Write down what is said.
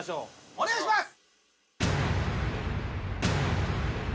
お願いします！